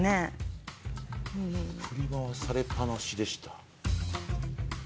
「振り回されっぱなしでした」。